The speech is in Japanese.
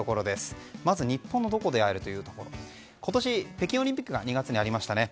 まず、日本のどこで会えるかですが今年、北京オリンピックが２月にありましたね。